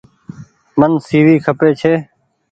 مين سي وي کپي ڇي۔